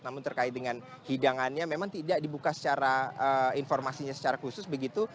namun terkait dengan hidangannya memang tidak dibuka secara informasinya secara khusus begitu